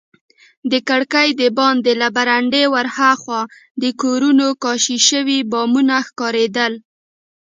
د کړکۍ دباندې له برنډې ورهاخوا د کورونو کاشي شوي بامونه ښکارېدل.